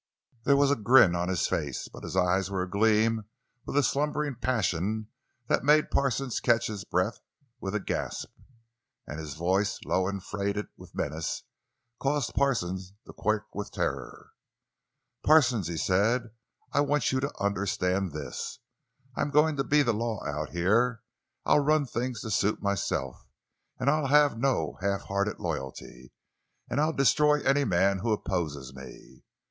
There was a grin on his face, but his eyes were agleam with a slumbering passion that made Parsons catch his breath with a gasp. And his voice, low, and freighted with menace, caused Parsons to quake with terror. "Parsons," he said, "I want you to understand this: I am going to be the law out here. I'll run things to suit myself. I'll have no half hearted loyalty, and I'll destroy any man who opposes me!